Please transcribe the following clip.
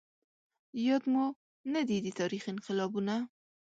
ياد مو نه دي د تاريخ انقلابونه